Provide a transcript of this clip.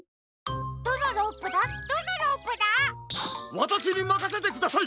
わたしにまかせてください！